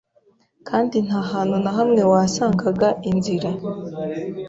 Kandi nta hantu na hamwe wasangaga inzira